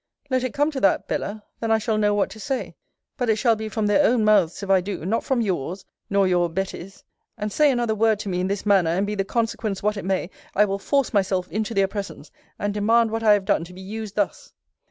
Let it come to that, Bella; then I shall know what to say. But it shall be from their own mouths, if I do not from yours, nor you Betty's And say another word to me, in this manner, and be the consequence what it may, I will force myself into their presence; and demand what I have done to be used thus!